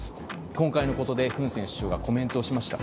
今回のことで、フン・セン首相がコメントをしました。